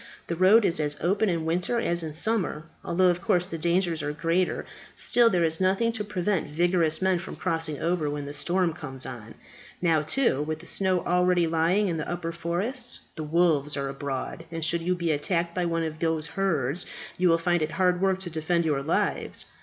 "The road is as open in winter as in summer, although, of course, the dangers are greater. Still, there is nothing to prevent vigorous men from crossing over when the storms come on. Now, too, with the snow already lying in the upper forests, the wolves are abroad, and should you be attacked by one of those herds, you will find it hard work to defend your lives.